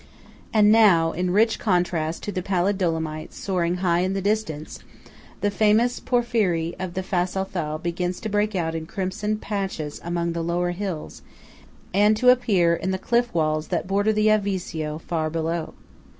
And now, in rich contrast to the pallid Dolomites soaring high in the distance, the famous porphyry of the Fassa Thal begins to break out in crimson patches among the lower hills, and to appear in the cliff walls that border the Avisio far below.